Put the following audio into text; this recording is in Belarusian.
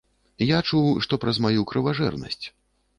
Я чуў, што праз маю крыважэрнасць.